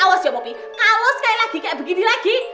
awas ya poki kalau sekali lagi kayak begini lagi